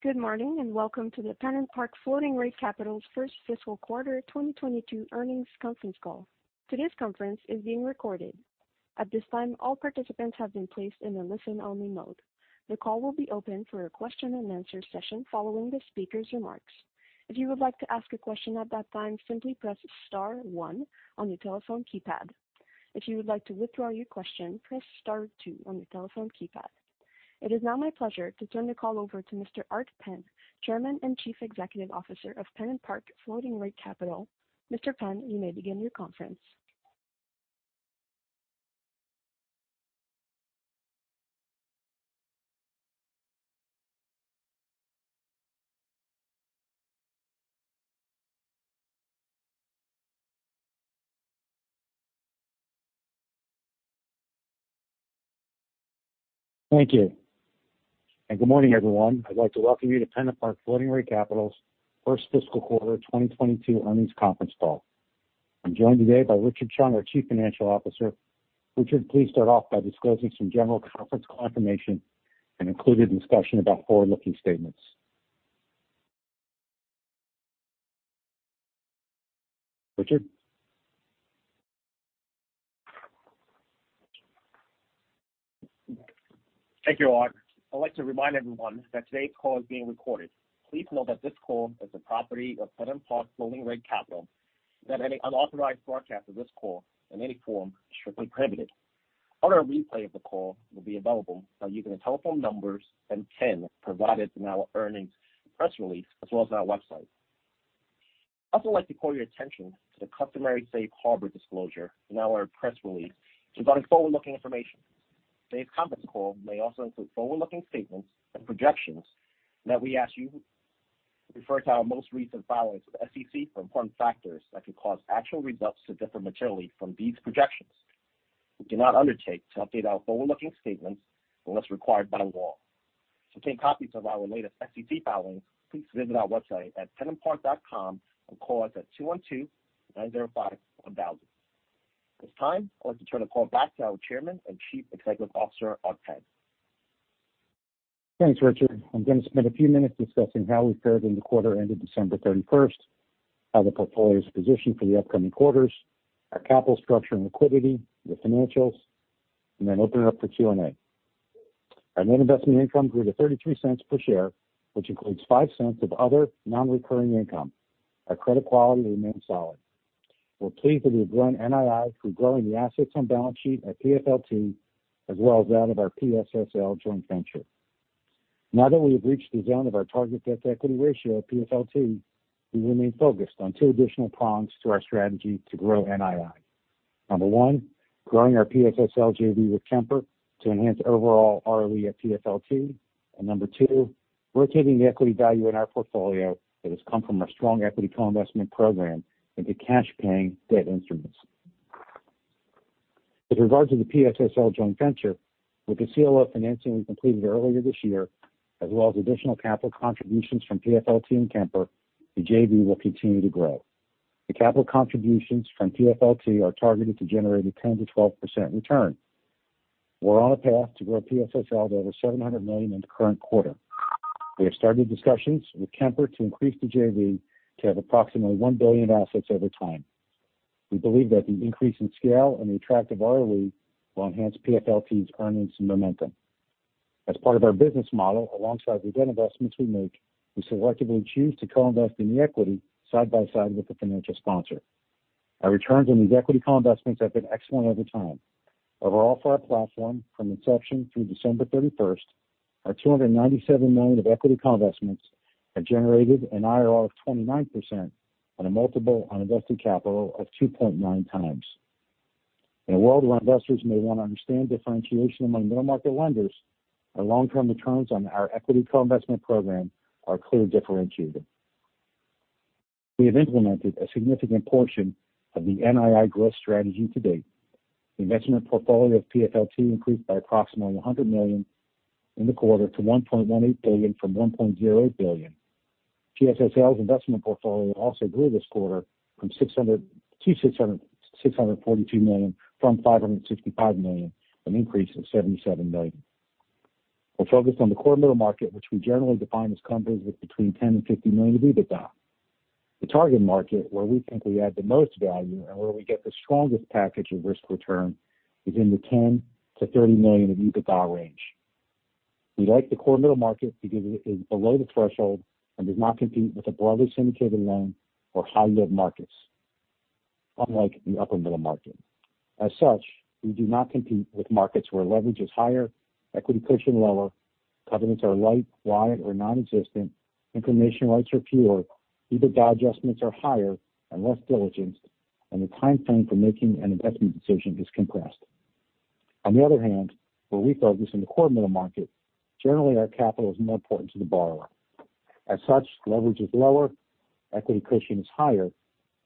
Good morning, and welcome to the PennantPark Floating Rate Capital's first fiscal quarter 2022 earnings conference call. Today's conference is being recorded. At this time, all participants have been placed in a listen-only mode. The call will be open for a question-and-answer session following the speaker's remarks. If you would like to ask a question at that time, simply press star one on your telephone keypad. If you would like to withdraw your question, press star two on your telephone keypad. It is now my pleasure to turn the call over to Mr. Art Penn, Chairman and Chief Executive Officer of PennantPark Floating Rate Capital. Mr. Penn, you may begin your conference. Thank you. Good morning, everyone. I'd like to welcome you to PennantPark Floating Rate Capital's first fiscal quarter 2022 earnings conference call. I'm joined today by Richard Cheung, our Chief Financial Officer. Richard, please start off by disclosing some general conference call information and included discussion about forward-looking statements. Richard? Thank you, Art. I'd like to remind everyone that today's call is being recorded. Please note that this call is the property of PennantPark Floating Rate Capital, that any unauthorized broadcast of this call in any form is strictly prohibited. Audio replay of the call will be available by using the telephone numbers and pin provided in our earnings press release, as well as our website. I'd also like to call your attention to the customary safe harbor disclosure in our press release regarding forward-looking information. Today's conference call may also include forward-looking statements and projections that we ask you to refer to our most recent filings with SEC for important factors that could cause actual results to differ materially from these projections. We do not undertake to update our forward-looking statements unless required by law. To obtain copies of our latest SEC filings, please visit our website at pennantpark.com or call us at 212-905-1000. At this time, I'd like to turn the call back to our Chairman and Chief Executive Officer, Art Penn. Thanks, Richard. I'm gonna spend a few minutes discussing how we fared in the quarter ending December 31, how the portfolio is positioned for the upcoming quarters, our capital structure and liquidity, the financials, and then open it up for Q&A. Our net investment income grew to $0.33 per share, which includes $0.05 of other non-recurring income. Our credit quality remains solid. We're pleased that we've grown NII through growing the assets on balance sheet at PFLT as well as that of our PSSL joint venture. Now that we have reached the zone of our target debt equity ratio at PFLT, we remain focused on two additional prongs to our strategy to grow NII. Number one, growing our PSSL JV with Kemper to enhance overall ROE at PFLT. Number two, rotating the equity value in our portfolio that has come from our strong equity co-investment program into cash-paying debt instruments. With regard to the PSSL joint venture, with the CLO financing we completed earlier this year, as well as additional capital contributions from PFLT and Kemper, the JV will continue to grow. The capital contributions from PFLT are targeted to generate a 10%-12% return. We're on a path to grow PSSL to over $700 million in the current quarter. We have started discussions with Kemper to increase the JV to have approximately $1 billion assets over time. We believe that the increase in scale and the attractive ROE will enhance PFLT's earnings and momentum. As part of our business model, alongside the debt investments we make, we selectively choose to co-invest in the equity side by side with the financial sponsor. Our returns on these equity co-investments have been excellent over time. Overall for our platform from inception through December 31, our $297 million of equity co-investments have generated an IRR of 29% on a multiple on invested capital of 2.9x. In a world where investors may wanna understand differentiation among middle market lenders, our long-term returns on our equity co-investment program are clearly differentiated. We have implemented a significant portion of the NII growth strategy to date. The investment portfolio of PFLT increased by approximately $100 million in the quarter to $1.18 billion from $1.08 billion. PSSL's investment portfolio also grew this quarter from $565 million-$642 million, an increase of $77 million. We're focused on the core middle market, which we generally define as companies with between 10 and 50 million of EBITDA. The target market where we think we add the most value and where we get the strongest package of risk return is in the 10 million-30 million of EBITDA range. We like the core middle market because it is below the threshold and does not compete with a broadly syndicated loan or high yield markets, unlike the upper middle market. As such, we do not compete with markets where leverage is higher, equity cushion lower, covenants are light, wide, or non-existent, information rights are fewer, EBITDA adjustments are higher and less diligence, and the timeframe for making an investment decision is compressed. On the other hand, where we focus in the core middle market, generally our capital is more important to the borrower. As such, leverage is lower, equity cushion is higher,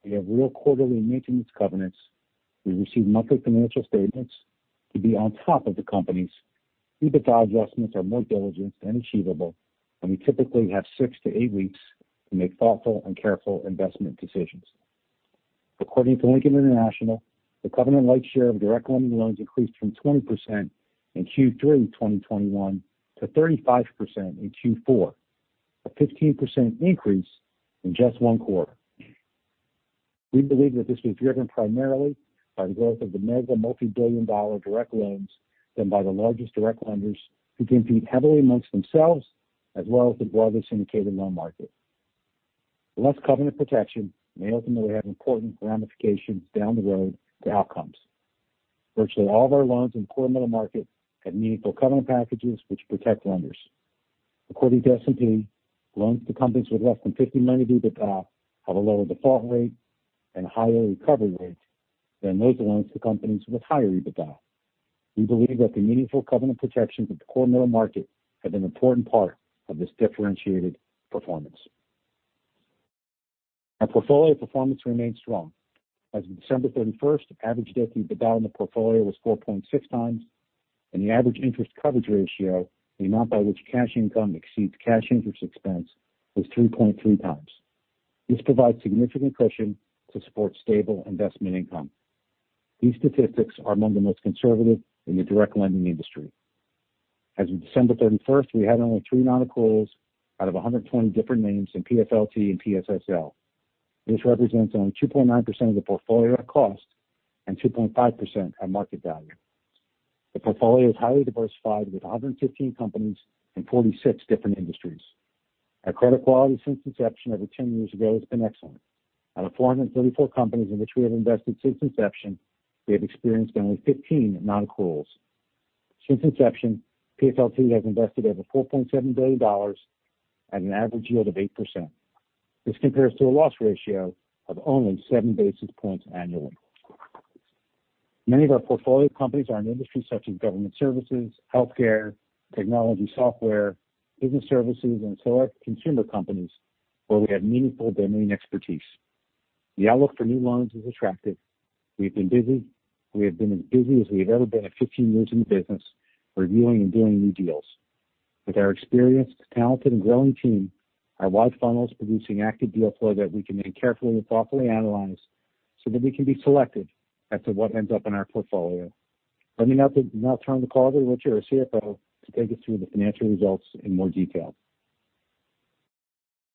we have real quarterly maintenance covenants, we receive monthly financial statements to be on top of the companies, EBITDA adjustments are more diligent and achievable, and we typically have 6-8 weeks to make thoughtful and careful investment decisions. According to Lincoln International, the covenant light share of direct lending loans increased from 20% in Q3 2021 to 35% in Q4. A 15% increase in just one quarter. We believe that this was driven primarily by the growth of the mega multi-billion-dollar direct loans than by the largest direct lenders who compete heavily among themselves, as well as the broader syndicated loan market. Less covenant protection may ultimately have important ramifications down the road to outcomes. Virtually all of our loans in core middle market have meaningful covenant packages which protect lenders. According to S&P, loans to companies with less than $50 million EBITDA have a lower default rate and higher recovery rate than those loans to companies with higher EBITDA. We believe that the meaningful covenant protections of the core middle market have been an important part of this differentiated performance. Our portfolio performance remains strong. As of December 31, average debt to EBITDA in the portfolio was 4.6 times, and the average interest coverage ratio, the amount by which cash income exceeds cash interest expense, was 3.3 times. This provides significant cushion to support stable investment income. These statistics are among the most conservative in the direct lending industry. As of December 31, we had only three non-accruals out of 120 different names in PFLT and PSSL. This represents only 2.9% of the portfolio at cost and 2.5% at market value. The portfolio is highly diversified with 115 companies in 46 different industries. Our credit quality since inception over 10 years ago has been excellent. Out of 434 companies in which we have invested since inception, we have experienced only 15 non-accruals. Since inception, PFLT has invested over $4.7 billion at an average yield of 8%. This compares to a loss ratio of only 7 basis points annually. Many of our portfolio companies are in industries such as government services, healthcare, technology software, business services, and select consumer companies where we have meaningful domain expertise. The outlook for new loans is attractive. We've been busy. We have been as busy as we have ever been at 15 years in the business, reviewing and doing new deals. With our experienced, talented, and growing team, our wide funnel is producing active deal flow that we can then carefully and thoughtfully analyze so that we can be selective as to what ends up in our portfolio. Let me now turn the call over to Richard, our CFO, to take us through the financial results in more detail.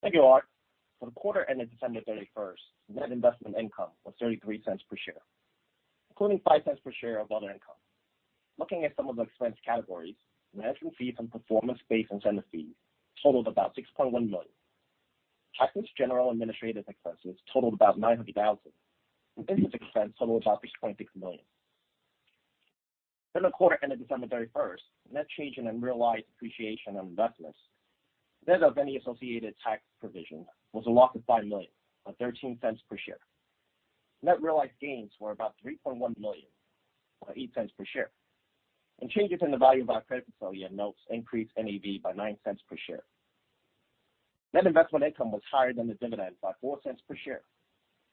Thank you, Art. For the quarter ended December 31, net investment income was $0.33 per share, including $0.05 per share of other income. Looking at some of the expense categories, management fees and performance-based incentive fees totaled about $6.1 million. Tax, general, and administrative expenses totaled about $900,000. Interest expense totaled about $6.6 million. For the quarter ended December 31, net change in unrealized appreciation on investments, net of any associated tax provision, was a loss of $5 million, or $0.13 per share. Net realized gains were about $3.1 million, or $0.08 per share. Changes in the value of our credit facility and notes increased NAV by $0.09 per share. Net investment income was higher than the dividend by $0.04 per share.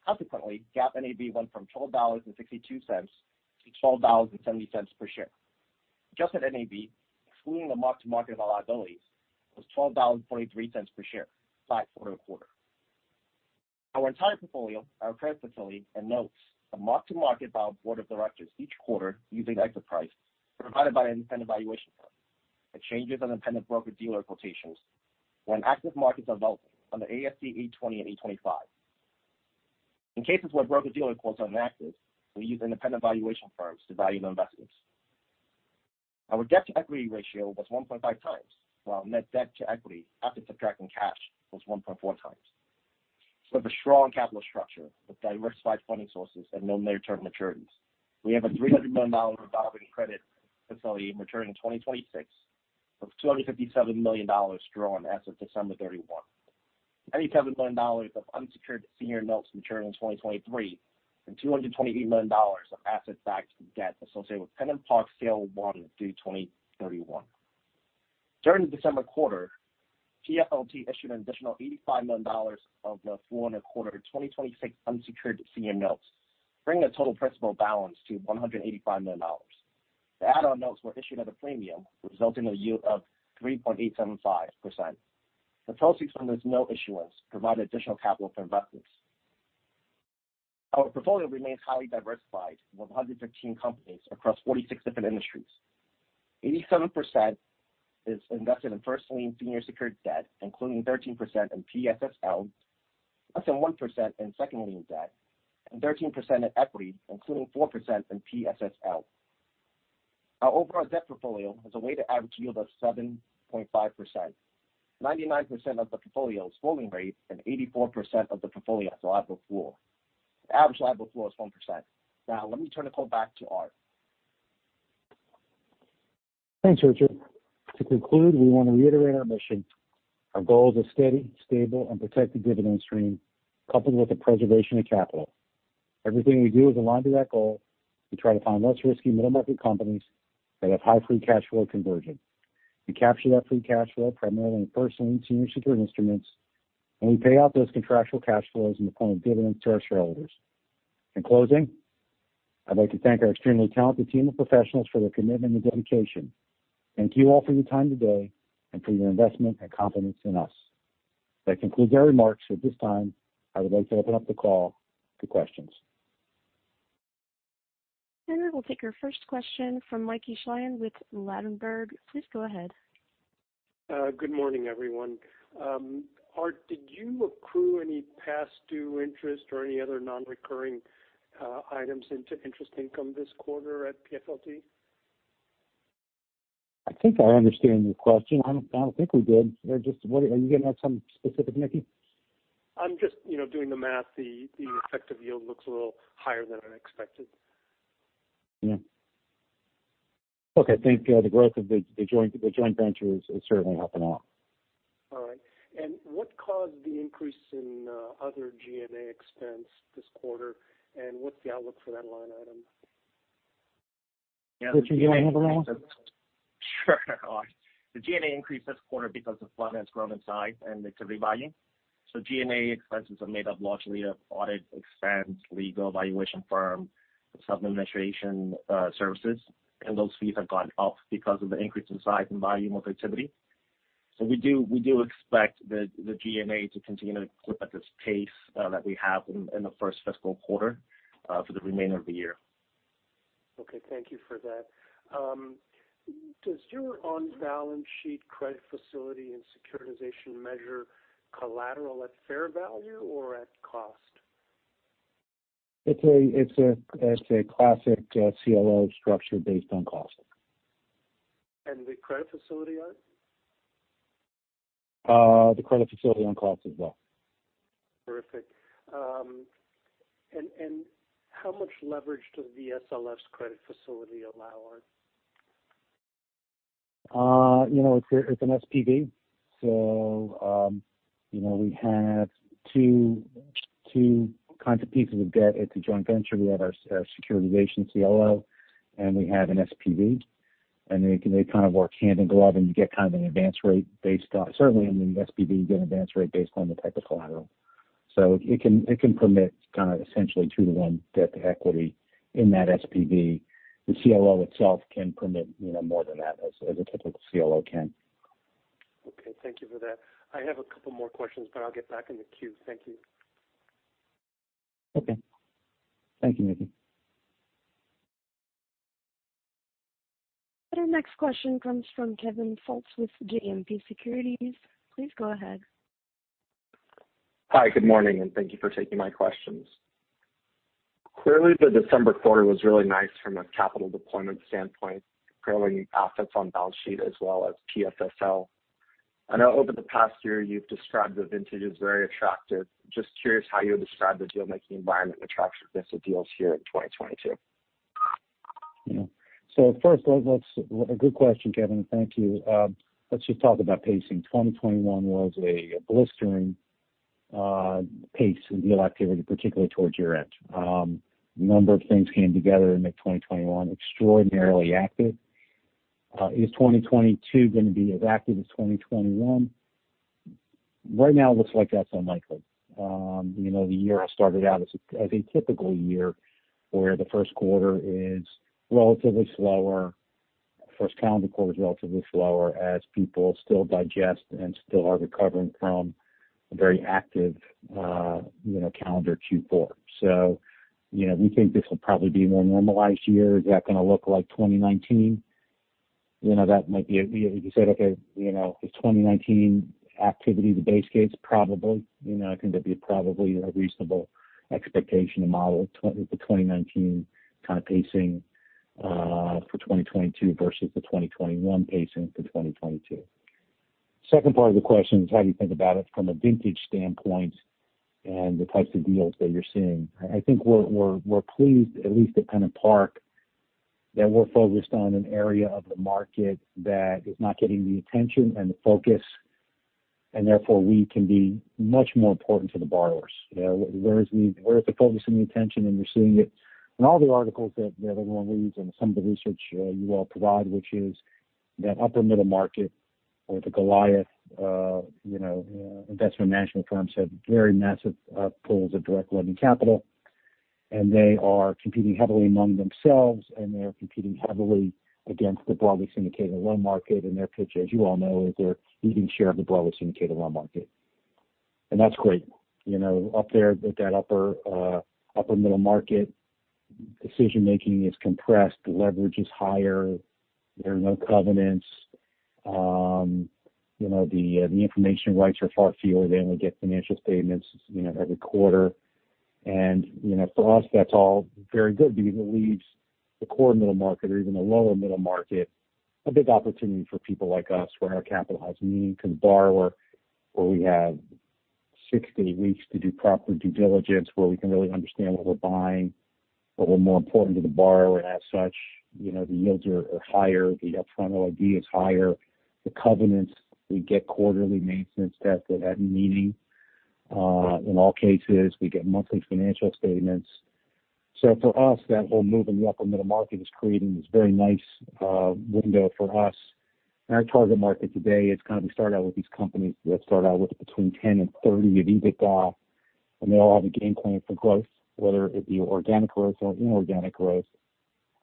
Consequently, GAAP NAV went from $12.62-$12.70 per share. Adjusted NAV, excluding the mark-to-market of our liabilities, was $12.43 per share, flat quarter-over-quarter. Our entire portfolio, our credit facility, and notes are marked-to-market by our board of directors each quarter using exit price provided by an independent valuation firm. It changes on independent broker-dealer quotations when active markets are available under ASC 820 and ASC 825. In cases where broker-dealer quotes are inactive, we use independent valuation firms to value our investments. Our debt-to-equity ratio was 1.5 times, while net debt to equity after subtracting cash was 1.4 times. We have a strong capital structure with diversified funding sources and no near-term maturities. We have a $300 million revolving credit facility maturing in 2026, with $257 million drawn as of December 31. $97 million of unsecured senior notes mature in 2023, and $228 million of asset-backed debt associated with PFLT CLO I is due 2031. During the December quarter, PFLT issued an additional $85 million of the 4.25 2026 unsecured senior notes, bringing the total principal balance to $185 million. The add-on notes were issued at a premium, resulting in a yield of 3.875%. The proceeds from this note issuance provided additional capital for investments. Our portfolio remains highly diversified, with 115 companies across 46 different industries. 87% is invested in first lien senior secured debt, including 13% in PSSL, less than 1% in second lien debt, and 13% in equity, including 4% in PSSL. Our overall debt portfolio has a weighted average yield of 7.5%. 99% of the portfolio is floating rate, and 84% of the portfolio has LIBOR floor. The average LIBOR floor is 1%. Now, let me turn the call back to Art. Thanks, Richard. To conclude, we want to reiterate our mission. Our goal is a steady, stable, and protected dividend stream, coupled with the preservation of capital. Everything we do is aligned to that goal. We try to find less risky middle market companies that have high free cash flow conversion. We capture that free cash flow primarily in first lien senior secured instruments, and we pay out those contractual cash flows in the form of dividends to our shareholders. In closing, I'd like to thank our extremely talented team of professionals for their commitment and dedication. Thank you all for your time today and for your investment and confidence in us. That concludes our remarks. At this time, I would like to open up the call to questions. We'll take our first question from Mickey Schleien with Ladenburg. Please go ahead. Good morning, everyone. Art, did you accrue any past due interest or any other non-recurring items into interest income this quarter at PFLT? I think I understand your question. I don't think we did. Just what are you getting at, something specific, Mickey? I'm just, you know, doing the math. The effective yield looks a little higher than I expected. Yeah. Okay. I think the growth of the joint venture is certainly helping a lot. All right. What caused the increase in other G&A expense this quarter, and what's the outlook for that line item? Richard, do you want to handle that one? Sure. The G&A increased this quarter because of Fund V's grown in size and activity volume. G&A expenses are made up largely of audit expense, legal, valuation firm, sub-administration, services, and those fees have gone up because of the increase in size and volume of activity. We do expect the G&A to continue to clip at this pace, that we have in the first fiscal quarter, for the remainder of the year. Okay, thank you for that. Does your on-balance sheet credit facility and securitization measure collateral at fair value or at cost? It's a classic CLO structure based on cost. The credit facility, Art? The credit facility on cost as well. Terrific. How much leverage does PSSL's credit facility allow, Art? You know, it's an SPV. You know, we have two kinds of pieces of debt at the joint venture. We have our securitization CLO, and we have an SPV. They kind of work hand in glove, and you get kind of an advance rate based on. Certainly on the SPV, you get an advance rate based on the type of collateral. It can permit kind of essentially 2-to-1 debt to equity in that SPV. The CLO itself can permit, you know, more than that, as a typical CLO can. Okay, thank you for that. I have a couple more questions, but I'll get back in the queue. Thank you. Okay. Thank you, Mickey. Our next question comes from Kevin Fultz with JMP Securities. Please go ahead. Hi. Good morning, and thank you for taking my questions. Clearly, the December quarter was really nice from a capital deployment standpoint, growing assets on balance sheet as well as PSSL. I know over the past year you've described the vintages as very attractive. Just curious how you would describe the deal-making environment attractiveness of deals here in 2022. Yeah. First, that's a good question, Kevin. Thank you. Let's just talk about pacing. 2021 was a blistering pace in deal activity, particularly towards year end. A number of things came together and made 2021 extraordinarily active. Is 2022 gonna be as active as 2021? Right now it looks like that's unlikely. You know, the year started out as a typical year, where the Q1 is relatively slower, first calendar quarter is relatively slower as people still digest and still are recovering from a very active, you know, calendar Q4. You know, we think this will probably be more normalized year. Is that gonna look like 2019? You know, that might be a you said okay, you know, is 2019 activity the base case? Probably. You know, I think that'd be probably a reasonable expectation to model 2019 kind of pacing for 2022 versus the 2021 pacing for 2022. Second part of the question is how do you think about it from a vintage standpoint and the types of deals that you're seeing? I think we're pleased, at least at PennantPark, that we're focused on an area of the market that is not getting the attention and the focus, and therefore we can be much more important to the borrowers, you know. Where is the focus and the attention, and you're seeing it in all the articles that everyone reads and some of the research you all provide, which is that upper middle market or the Goliath you know investment management firms have very massive pools of direct lending capital, and they are competing heavily among themselves, and they're competing heavily against the broadly syndicated loan market. Their pitch, as you all know, is they're eating share of the broadly syndicated loan market. That's great. You know, up there at that upper middle market, decision-making is compressed. The leverage is higher. There are no covenants. You know, the information rights are far fewer. They only get financial statements, you know, every quarter. You know, for us, that's all very good because it leaves the core middle market or even the lower middle market a big opportunity for people like us where our capital has meaning to the borrower, where we have 6-8 weeks to do proper due diligence, where we can really understand what we're buying, but we're more important to the borrower and as such, you know, the yields are higher, the upfront OID is higher. The covenants, we get quarterly maintenance that had meaning. In all cases, we get monthly financial statements. For us, that whole move in the upper middle market is creating this very nice window for us. Our target market today is kind of we start out with these companies that start out with between $10 million and $30 million of EBITDA, and they all have a game plan for growth, whether it be organic growth or inorganic growth.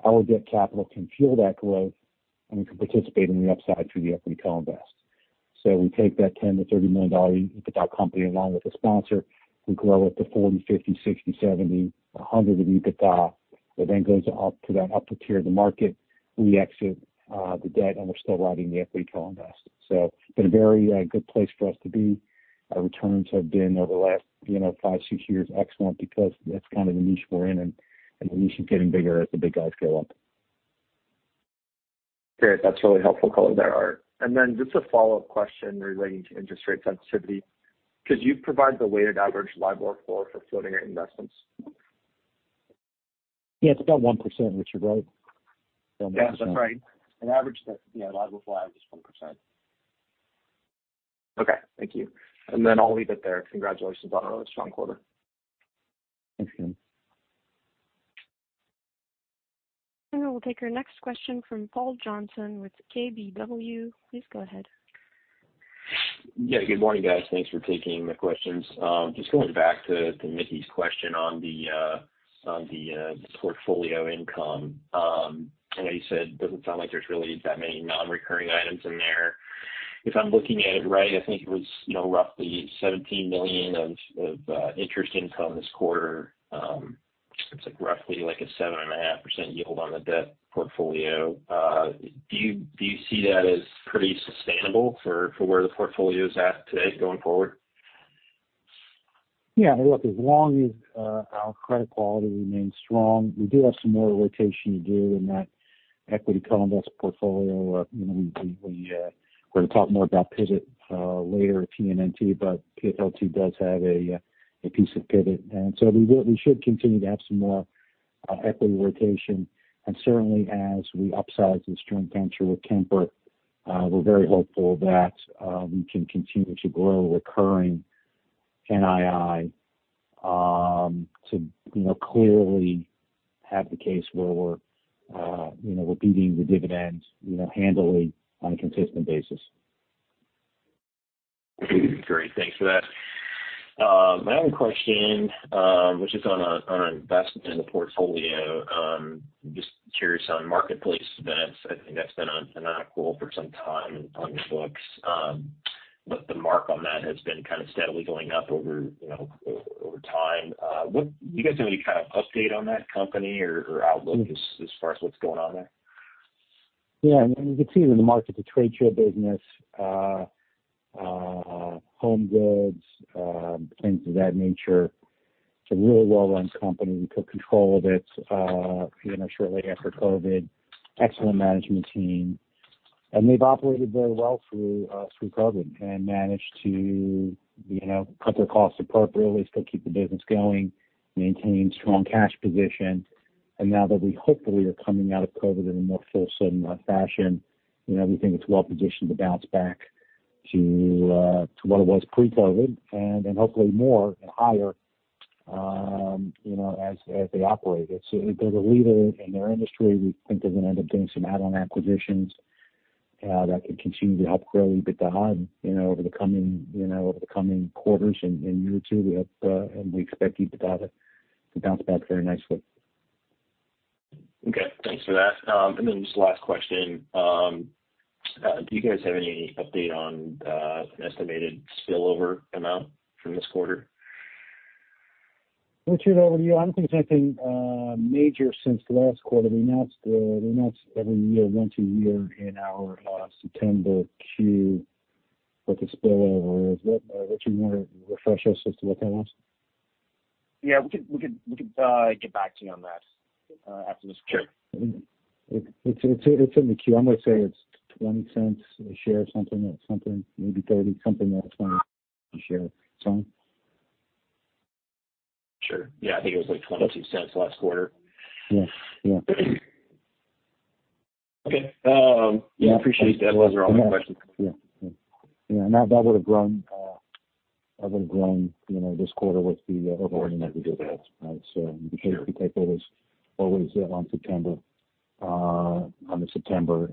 Our debt capital can fuel that growth, and we can participate in the upside through the equity co-invest. We take that $10 million-$30 million EBITDA company along with the sponsor. We grow it to $40 million, $50 million, $60 million, $70 million, $100 million of EBITDA. It then goes up to that upper tier of the market. We exit the debt, and we're still riding the equity co-invest. It's been a very good place for us to be. Our returns have been over the last, you know, five, six years, excellent because that's kind of the niche we're in, and the niche is getting bigger as the big guys scale up. Great. That's really helpful color there, Art. Just a follow-up question relating to interest rate sensitivity. Could you provide the weighted average LIBOR floor for floating rate investments? Yeah. It's about 1%, Richard, right? Yeah. That's right. An average that, you know, LIBOR floor, average is 1%. Okay. Thank you. I'll leave it there. Congratulations on a really strong quarter. Thanks, again. We'll take our next question from Paul Johnson with KBW. Please go ahead. Yeah. Good morning, guys. Thanks for taking the questions. Just going back to Mickey's question on the portfolio income. I know you said it doesn't sound like there's really that many non-recurring items in there. If I'm looking at it right, I think it was, you know, roughly $17 million of interest income this quarter. It's like roughly like a 7.5% yield on the debt portfolio. Do you see that as pretty sustainable for where the portfolio is at today going forward? Yeah. Look, as long as our credit quality remains strong, we do have some more rotation to do in that equity co-invest portfolio. You know, we're gonna talk more about Pivot later at TMNT, but PFLT does have a piece of Pivot. We should continue to have some more equity rotation. Certainly as we upsize the joint venture with Kemper, we're very hopeful that we can continue to grow recurring NII to you know clearly have the case where we're you know repeating the dividends you know handily on a consistent basis. Great. Thanks for that. My other question, which is on an investment in the portfolio, just curious on Marketplace Events. I think that's been on a call for some time on your books. But the mark on that has been kind of steadily going up over, you know, over time. What do you guys have any kind of update on that company or outlook as far as what's going on there? Yeah. You can see it in the market, the trade show business, home goods, things of that nature. It's a really well-run company. We took control of it, you know, shortly after COVID. Excellent management team. They've operated very well through COVID and managed to, you know, cut their costs appropriately, still keep the business going, maintain strong cash position. Now that we hopefully are coming out of COVID in a more fully certain fashion, you know, we think it's well positioned to bounce back to what it was pre-COVID and hopefully more and higher, you know, as they operate it. They're the leader in their industry. We think they're gonna end up doing some add-on acquisitions that could continue to help grow EBITDA, you know, over the coming quarters and year or two, and we expect EBITDA to bounce back very nicely. Okay, thanks for that. Just last question. Do you guys have any update on an estimated spillover amount from this quarter? Richard, over to you. I don't think there's anything major since the last quarter. We announce every year, once a year in our September Q what the spillover is. What, Richard, you want to refresh us as to what that was? Yeah. We could get back to you on that after this quarter. It's in the Q. I'm gonna say it's $0.20 a share, something, maybe 30, something like 20 a share. Something. Sure. I think it was like $0.22 last quarter. Yes. Yeah. Appreciate it. Those are all my questions. Yeah. Yeah. That would have grown you know this quarter with the overall net new business. Right. We take those always on September on September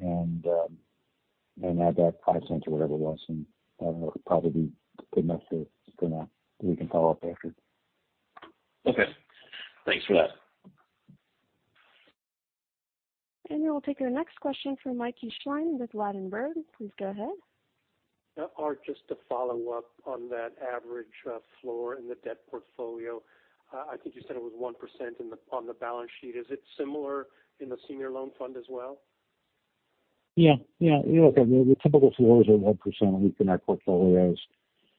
and add that $0.05 or whatever it was, and that'll probably be good enough to you know we can follow up after. Okay. Thanks for that. We'll take our next question from Mickey Schleien with Ladenburg. Please go ahead. Art, just to follow up on that average floor in the debt portfolio, I think you said it was 1% on the balance sheet. Is it similar in the senior loan fund as well? Yeah. You know, look, I mean, the typical floors are 1% within our portfolios.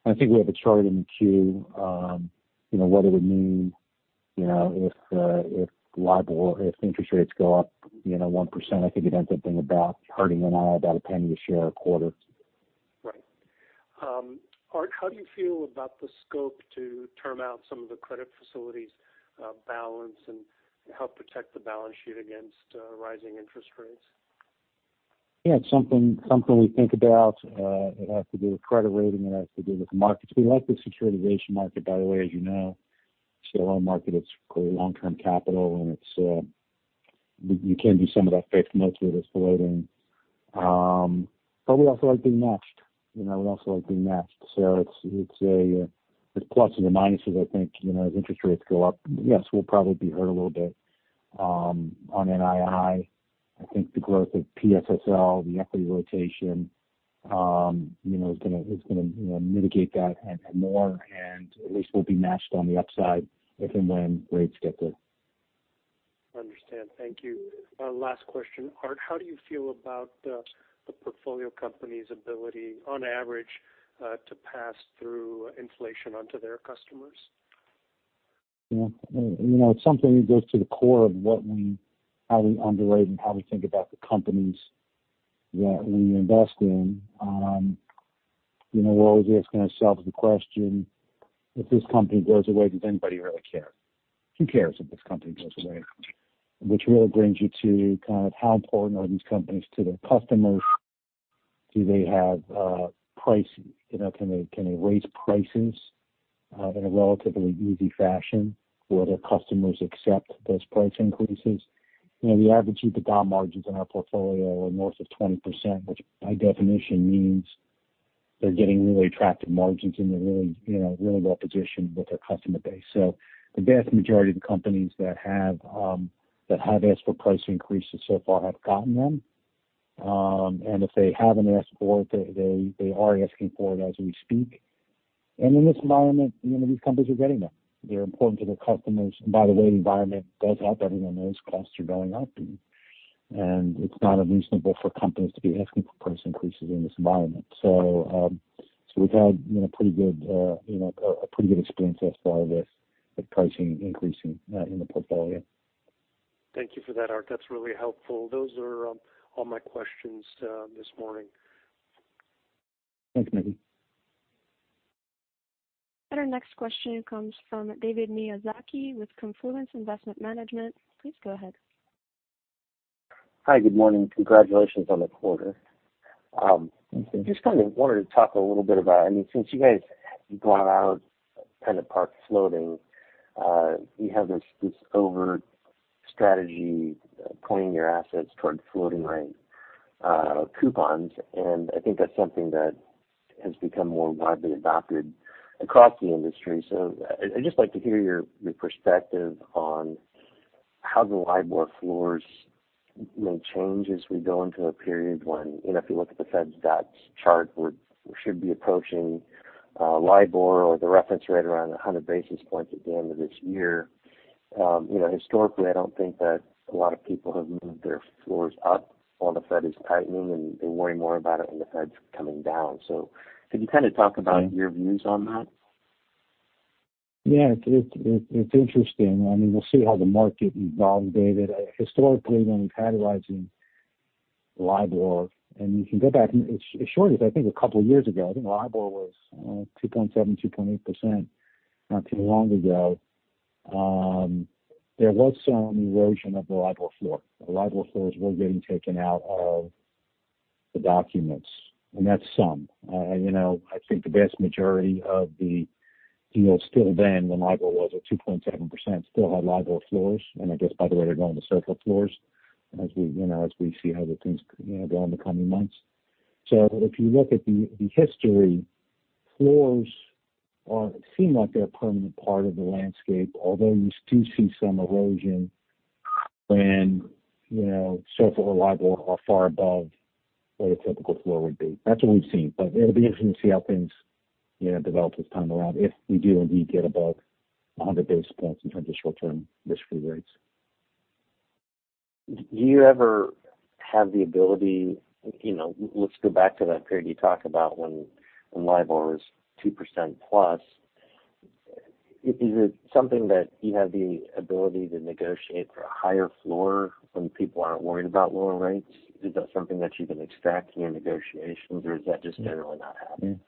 I think we have a chart in the Q, you know, what it would mean, you know, if LIBOR or if interest rates go up, you know, 1%, I think it ends up being about hurting NII about $0.01 a share a quarter. Right. Art, how do you feel about the scope to term out some of the credit facilities balance and help protect the balance sheet against rising interest rates? Yeah. It's something we think about. It has to do with credit rating. It has to do with the markets. We like the securitization market, by the way, as you know. It's a loan market, it's long-term capital, and it's you can do some of that fixed notes with us floating. But we also like being matched. You know, we also like being matched. So it's a there's pluses and minuses, I think. You know, as interest rates go up, yes, we'll probably be hurt a little bit on NII. I think the growth of PSSL, the equity rotation, you know, is gonna mitigate that and more, and at least we'll be matched on the upside if and when rates get there. Understood. Thank you. Last question. Art, how do you feel about the portfolio company's ability on average to pass through inflation onto their customers? Yeah. You know, it's something that goes to the core of how we underwrite and how we think about the companies that we invest in. You know, we're always asking ourselves the question, if this company goes away, does anybody really care? Who cares if this company goes away? Which really brings you to kind of how important are these companies to their customers. Do they have price? You know, can they raise prices in a relatively easy fashion? Will their customers accept those price increases? You know, the average EBITDA margins in our portfolio are north of 20%, which by definition means they're getting really attractive margins, and they're really, you know, really well positioned with their customer base. So the vast majority of the companies that have asked for price increases so far have gotten them. If they haven't asked for it, they are asking for it as we speak. In this environment, you know, these companies are getting them. They're important to their customers. By the way, environment does help everyone knows costs are going up. It's not unreasonable for companies to be asking for price increases in this environment. We've had you know pretty good you know a pretty good experience thus far with the pricing increasing in the portfolio. Thank you for that, Art. That's really helpful. Those are all my questions this morning. Thanks, Mickey. Our next question comes from David Miyazaki with Confluence Investment Management. Please go ahead. Hi. Good morning. Congratulations on the quarter. Just kind of wanted to talk a little bit about, I mean, since you guys have gone about kind of PennantPark Floating, you have this overt strategy pointing your assets toward floating rate coupons. I think that's something that has become more widely adopted across the industry. I'd just like to hear your perspective on how the LIBOR floors may change as we go into a period when, you know, if you look at the Fed's dots chart, we should be approaching LIBOR or the reference rate around 100 basis points at the end of this year. You know, historically, I don't think that a lot of people have moved their floors up while the Fed is tightening, and they worry more about it when the Fed's coming down. Could you kind of talk about your views on that? Yeah. It's interesting. I mean, we'll see how the market validates it. Historically, when we've had rising LIBOR, and you can go back as short as I think a couple of years ago, I think LIBOR was 2.7%-2.8% not too long ago. There was some erosion of the LIBOR floor. The LIBOR floors were getting taken out of the documents. You know, I think the vast majority of the deals still then when LIBOR was at 2.7% still had LIBOR floors. I guess, by the way, they're going to SOFR floors as we see how the things go in the coming months. If you look at the history, floors seem like they're a permanent part of the landscape, although you do see some erosion when, you know, SOFR or LIBOR are far above what a typical floor would be. That's what we've seen. It'll be interesting to see how things, you know, develop this time around if we do indeed get above 100 basis points in terms of short-term risk-free rates. Do you ever have the ability? You know, let's go back to that period you talked about when LIBOR was 2% plus. Is it something that you have the ability to negotiate for a higher floor when people aren't worried about lower rates? Is that something that you can extract in your negotiations, or is that just generally not happening?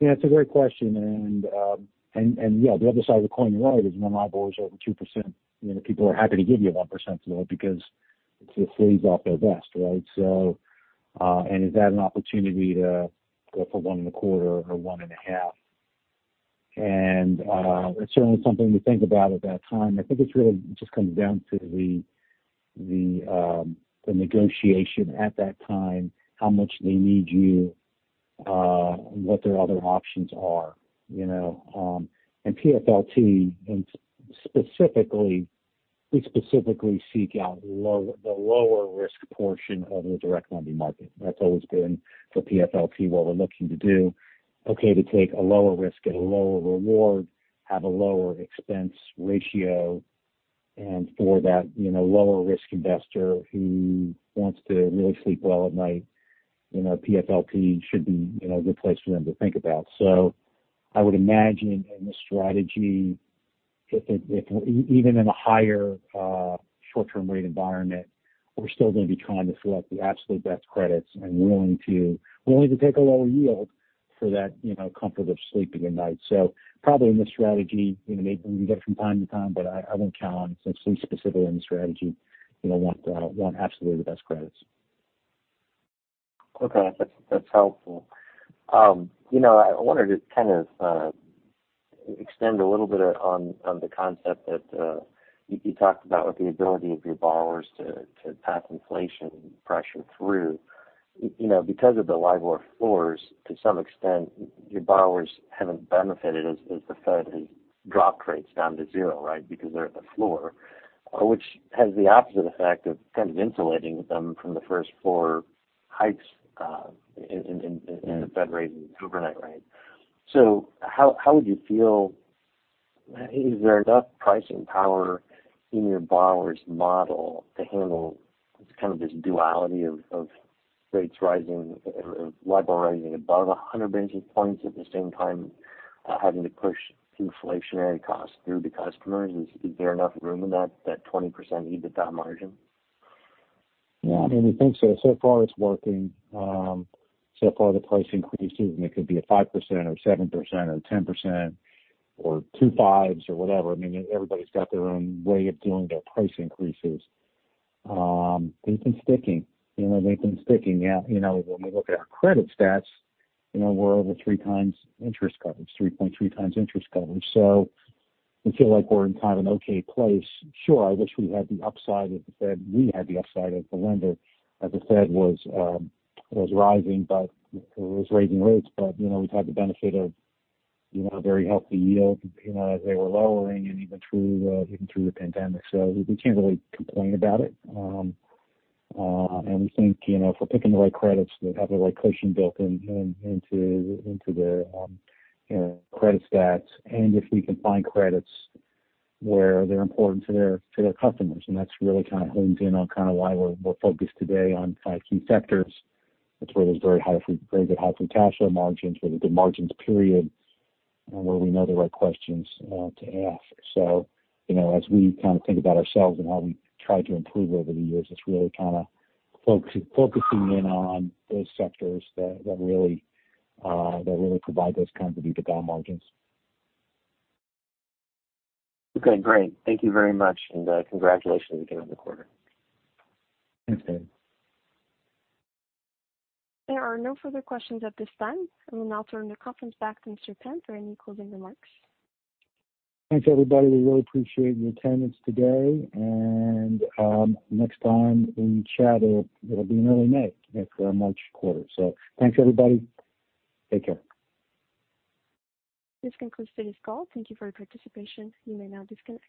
Yeah, it's a great question. Yeah, the other side of the coin, you're right is when LIBOR is over 2%, you know, the people are happy to give you a 1% floor because it's a flea off their back, right? So, is that an opportunity to go for 1.25 or 1.5? It's certainly something to think about at that time. I think it's really just comes down to the negotiation at that time, how much they need you, what their other options are, you know. PFLT and specifically, we specifically seek out the lower risk portion of the direct lending market. That's always been for PFLT what we're looking to do, to take a lower risk at a lower reward, have a lower expense ratio. For that, you know, lower risk investor who wants to really sleep well at night, you know, PFLT should be, you know, a good place for them to think about. I would imagine in the strategy if even in a higher short-term rate environment, we're still gonna be trying to fill out the absolute best credits and willing to take a lower yield for that, you know, comfort of sleeping at night. Probably in this strategy, you know, maybe we can get it from time to time, but I won't count on it since we specifically in the strategy, you know, want absolutely the best credits. Okay, that's helpful. You know, I wanted to kind of extend a little bit on the concept that you talked about with the ability of your borrowers to pass inflation pressure through. You know, because of the LIBOR floors, to some extent, your borrowers haven't benefited as the Fed has dropped rates down to zero, right? Because they're at the floor, which has the opposite effect of kind of insulating them from the first four hikes in the Fed raising the overnight rate. How would you feel? Is there enough pricing power in your borrower's model to handle kind of this duality of rates rising or of LIBOR rising above 100 basis points at the same time, having to push inflationary costs through the customers? Is there enough room in that 20% EBITDA margin? Yeah, I mean, we think so. So far it's working. So far the price increases, and it could be at 5% or 7% or 10% or 25 or whatever, I mean, everybody's got their own way of doing their price increases. They've been sticking out. You know, when we look at our credit stats, you know, we're over 3 times interest coverage, 3.3 times interest coverage. We feel like we're in kind of an okay place. Sure, I wish we had the upside of the Fed. We had the upside of the lender as the Fed was rising, but it was raising rates. You know, we've had the benefit of, you know, a very healthy yield, you know, as they were lowering and even through the pandemic. We can't really complain about it. We think, you know, if we're picking the right credits that have the right cushion built into the credit stats and if we can find credits where they're important to their customers, and that's really kind of hones in on kind of why we're focused today on five key sectors. That's where there's very good, high free cash flow margins, really good margins period, and where we know the right questions to ask. You know, as we kind of think about ourselves and how we try to improve over the years, it's really kind of focusing in on those sectors that really provide those kinds of EBITDA margins. Okay, great. Thank you very much, and congratulations again on the quarter. Thanks, David. There are no further questions at this time. I will now turn the conference back to Mr. Art Penn for any closing remarks. Thanks, everybody. We really appreciate your attendance today. Next time we chat, it'll be in early May after our March quarter. Thanks, everybody. Take care. This concludes today's call. Thank you for your participation. You may now disconnect.